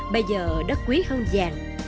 bây giờ đất quý hơn vàng